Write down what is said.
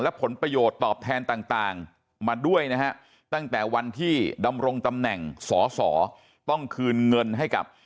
และผลประโยชน์ตอบแทนต่างมาด้วยนะฮะตั้งแต่วันที่ดำรงตำแหน่งสอสอต้องคืนเงินให้กับ